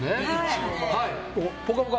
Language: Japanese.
「ぽかぽか」